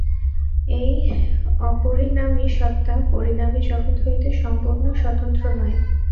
এই অপরিণামী সত্তা পরিণামী জগৎ হইতে সম্পূর্ণ স্বতন্ত্র নয়।